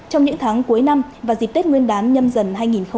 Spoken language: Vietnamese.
trong những tháng cuối năm và dịp tết nguyên đán nhâm dần hai nghìn hai mươi bốn